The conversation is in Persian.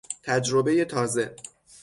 تجربهی تازه